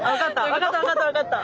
分かった分かった分かった。